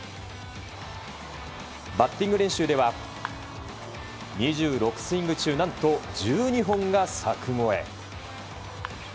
バッティング練習では２６スイング中何と１２本が柵越え。